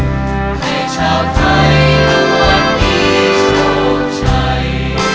ให้ชาวไทยหลังวันนี้โชคชัย